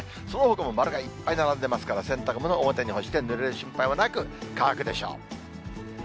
そのほかも丸がいっぱい並んでますから、洗濯物、表に干して、ぬれる心配はなく乾くでしょう。